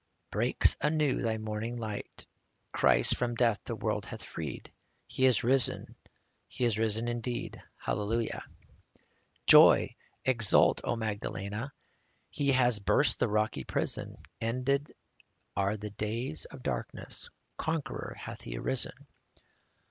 Breaks anew thy morning light ; Christ from death the world hath freed He is risen, is risen indeed. Hallelujah ! 59 Joy ! exult, O Magdalena ! He hath burst the rocky prison ; Ended are the days of darkness ; Conqueror hath He arisen.